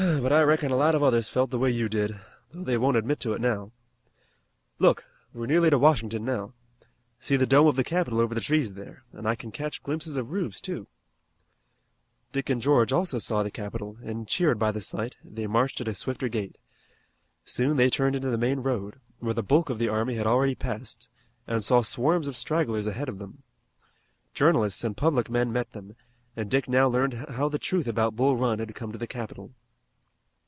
But I reckon a lot of others felt the way you did, though they won't admit it now. Look, we're nearly to Washington now. See the dome of the Capitol over the trees there, an' I can catch glimpses of roofs too." Dick and George also saw the capital, and cheered by the sight, they marched at a swifter gait. Soon they turned into the main road, where the bulk of the army had already passed and saw swarms of stragglers ahead of them. Journalists and public men met them, and Dick now learned how the truth about Bull Run had come to the capital.